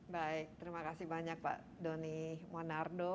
baik terima kasih banyak pak doni monardo